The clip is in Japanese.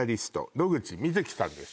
野口みずきさんです